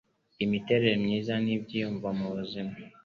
Imitere myiza n'ibyiyumvo mu buzima